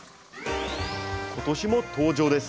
今年も登場です！